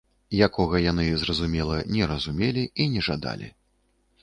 Якога яны, зразумела, не разумелі і не жадалі.